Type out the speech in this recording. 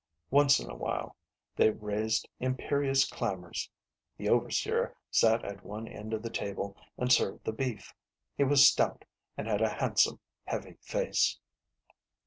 Once in a while they raised imperious clamors. The overseer sat at one end of the table and served the beef. He was stout, and had a handsome, heavy face.